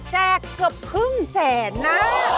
เกือบครึ่งแสนนะ